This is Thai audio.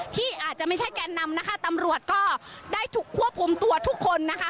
ที่อาจจะไม่ใช่แกนนำนะคะตำรวจก็ได้ถูกควบคุมตัวทุกคนนะคะ